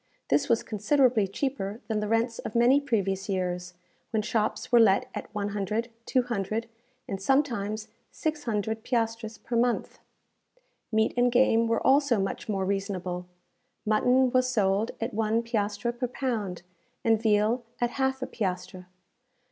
This was considerably cheaper than the rents of many previous years, when shops were let at 100, 200, and sometimes 600 piastres per month. Meat and game were also much more reasonable. Mutton was sold at one piastre per pound, and veal at half a piastre.